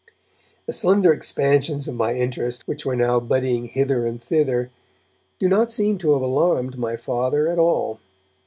The slender expansions of my interest which were now budding hither and thither do not seem to have alarmed my Father at all.